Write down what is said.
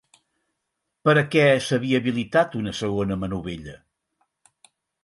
Per a què s'havia habilitat una segona manovella?